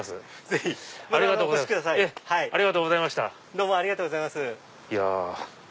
ぜひ！ありがとうございました。